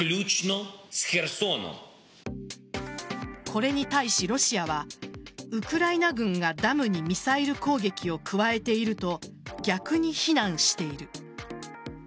これに対しロシアはウクライナ軍がダムにミサイル攻撃を加えていると逆に非難している。